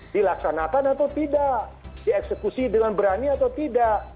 dilaksanakan atau tidak dieksekusi dengan berani atau tidak